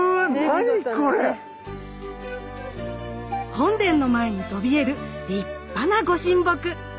本殿の前にそびえる立派なご神木。